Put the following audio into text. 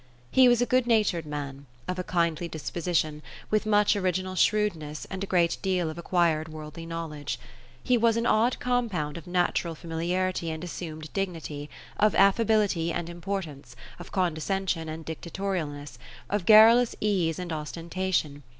He was a good natured man, of a kindly disposition, with much ori ginal shrewdness, and a great deal of acquired worldly knowledge. He was an odd compound of natural familiarity, and assumed dignity ; of affability and importance ; of condescension and dictatorial ness ; of gar rulous ease and ostentation.